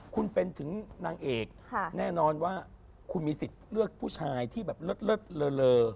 คุณเป็นถึงนางเอกแน่นอนว่าคุณมีสิทธิ์เลือกผู้ชายที่แบบเลิศเลอ